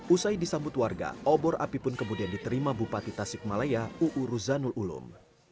usai disambut warga obor api pon kemudian diterima bupati tasikmalaya uu ruzanul ulum